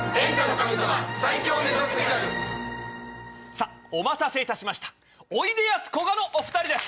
さぁお待たせいたしました「おいでやすこが」のお２人です！